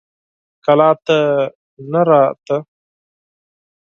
کلا ته نه راته.